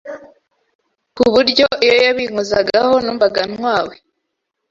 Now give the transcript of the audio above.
kuburyo iyo yabinkozagaho numvaga ntwawe.